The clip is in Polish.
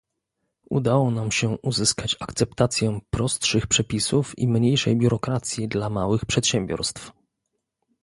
Udało nam się uzyskać akceptację prostszych przepisów i mniejszej biurokracji dla małych przedsiębiorstw